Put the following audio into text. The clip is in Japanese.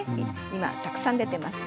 今たくさん出てます。